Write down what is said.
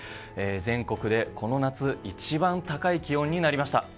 全国でこの夏一番高い気温になりました。